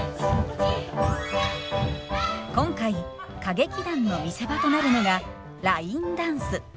今回歌劇団の見せ場となるのがラインダンス。